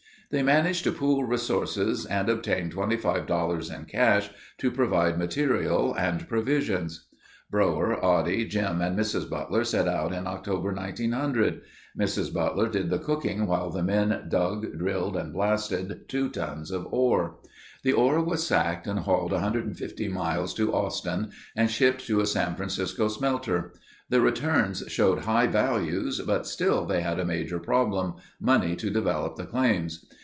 They managed to pool resources and obtained $25 in cash to provide material and provisions. Brougher, Oddie, Jim, and Mrs. Butler set out in October, 1900. Mrs. Butler did the cooking while the men dug, drilled, and blasted two tons of ore. The ore was sacked and hauled 150 miles to Austin and shipped to a San Francisco smelter. The returns showed high values but still they had a major problem—money to develop the claims.